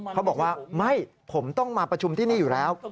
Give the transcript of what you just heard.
เขาบอกว่าไม่ผมต้องมาประชุมที่นี่อยู่แล้ว